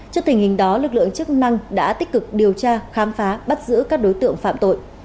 trước tình hình đó lực lượng chức năng đã tích cực điều tra khám phá bắt giữ các đối tượng phạm tội